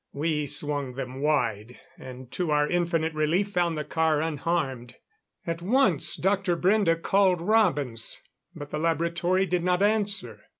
We swung them wide, and to our infinite relief found the car unharmed. At once Dr. Brende called Robins. But the laboratory did not answer!